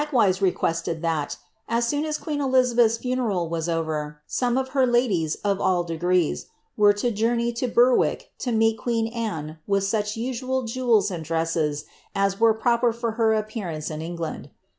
S97 wise^ requested that, as soon as queen Elizabeth^s funeni was over, some of her ladies, of all degrees, were to journey to Berwick to meet queen Anne with such usual jewels and dresses as were proper for her appearance in England."